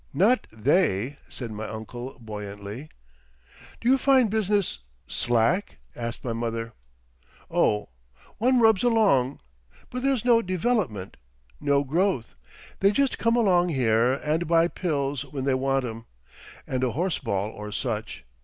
"Not they," said my uncle, buoyantly. "Do you find business—slack?" asked my mother. "Oh! one rubs along. But there's no Development—no growth. They just come along here and buy pills when they want 'em—and a horseball or such.